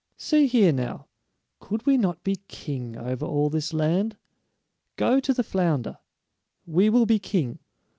See here, now, could we not be king over all this land? Go to the flounder. We will be king."